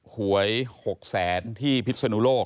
หวย๖แสนที่พิศนุโลก